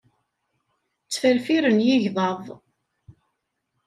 Ttferfiren yigḍaḍ.